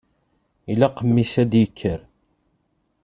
Ilaq mmi-s ad d-yekker.